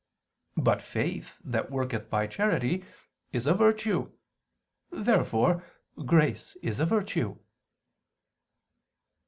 But faith that worketh by charity is a virtue. Therefore grace is a virtue.